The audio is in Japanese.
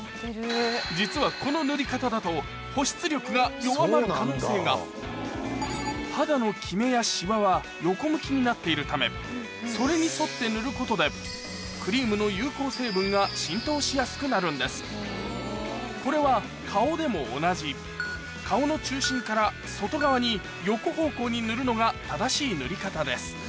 実はこの塗り方だと保湿力が弱まる可能性が肌のキメやシワは横向きになっているためそれに沿って塗ることでクリームのこれは顔でも同じ顔の中心から外側に横方向に塗るのが正しい塗り方です